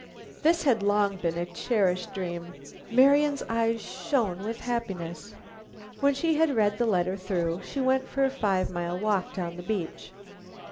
This had long been a cherished dream. Marian's eyes shone with happiness. When she had read the letter through, she went for a five mile walk down the beach.